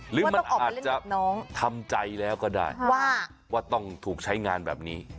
หรือมันอาจจะทำใจแล้วก็ได้ว่าต้องถูกใช้งานแบบนี้